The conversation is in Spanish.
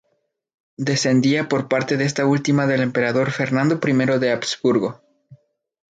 Descendía por parte de esta última del emperador Fernando I de Habsburgo.